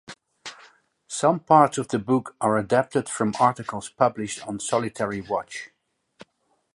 Some parts of the book are adapted from articles published on Solitary Watch.